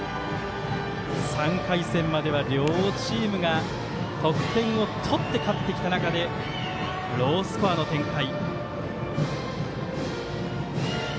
３回戦までは両チームが得点を取って勝ってきた中でロースコアの展開。